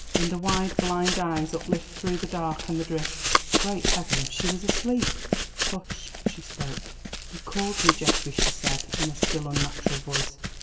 "In the wide, blind eyes uplift Thro' the darkness and the drift." Great Heaven, she was asleep! Hush! she spoke. "You called me, Geoffrey," she said, in a still, unnatural voice.